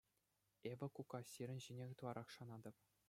Эпӗ, кукка, сирӗн ҫине ытларах шанатӑп.